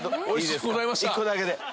１個だけで。